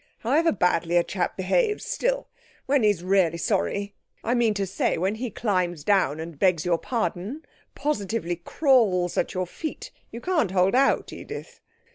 'However badly a chap behaves still, when he's really sorry I mean to say when he climbs down and begs your pardon, positively crawls at your feet, you can't hold out, Edith!'